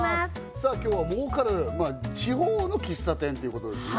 さあ今日は儲かる地方の喫茶店っていうことですね